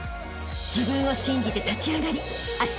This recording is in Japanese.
［自分を信じて立ち上がりあしたへ